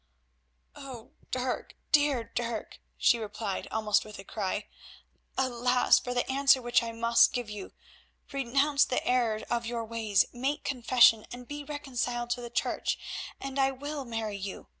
"Dirk, dear Dirk," she replied almost with a cry, "alas! for the answer which I must give you. Renounce the error of your ways, make confession, and be reconciled to the Church and—I will marry you.